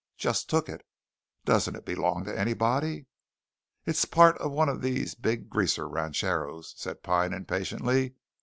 "Just took it". "Doesn't it belong to anybody?" "It's part of one of these big Greaser ranchos," said Pine impatiently.